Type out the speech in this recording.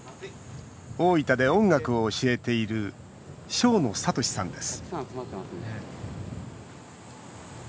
大分で音楽を教えている生野聡さんです。